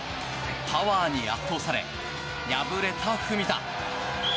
パワーに圧倒され敗れた文田。